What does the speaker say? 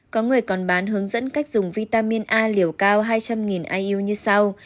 có người còn bán hướng dẫn cách dùng vitamin a liều cao hai trăm linh iu như sau